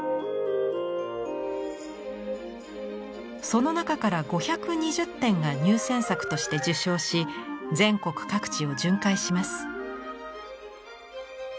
その中から５２０点が入選作として受賞し全国各地を巡回します。